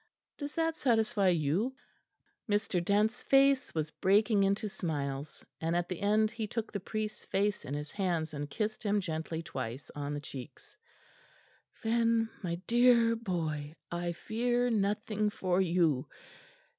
Does that satisfy you?" Mr. Dent's face was breaking into smiles, and at the end he took the priest's face in his hands and kissed him gently twice on the cheeks. "Then, my dear boy, I fear nothing for you.